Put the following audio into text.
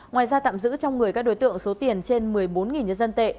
ngoài ra tạm giữ trong người các đối tượng số tiền trên một mươi bốn nhân dân tệ